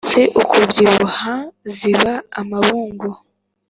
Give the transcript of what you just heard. si ukubyibuha ziba amabungu